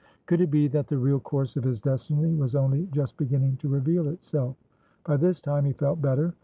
Could it be that the real course of his destiny was only just beginning to reveal itself? By this time, he felt better.